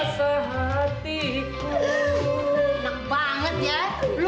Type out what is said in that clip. tetap tetap tetap